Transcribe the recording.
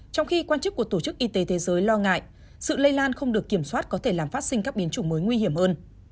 trong khi quan chức của tổ chức y tế thế giới lo ngại sự lây lan không được kiểm soát có thể làm phát sinh các biến chủng mới nguy hiểm hơn